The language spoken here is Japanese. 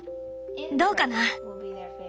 どうかな？